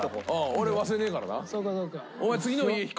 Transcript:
俺忘れねえからな。